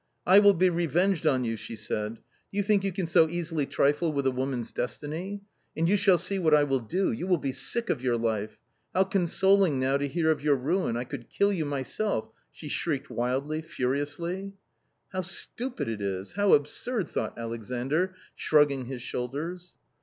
" 1 will be revenged on you !" sne said. a Do you think [ you can so easily trifle with a woman's destiny ? and you shall see what I will do ! you will be sick of your life ! How consoling now to hear of your ruin I could kill you myself !" she shrieked wildly, furiously. " How stupid it is, how absurd !" thought Alexandr, shrugging his shoulders.